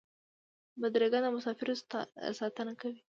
بدرګه د مسافرو ساتنه کوي.